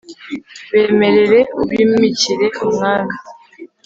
bemerere, ubimikire umwami